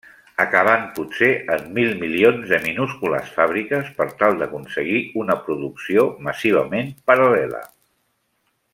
Acabant potser en mil milions de minúscules fàbriques per tal d'aconseguir una producció massivament paral·lela.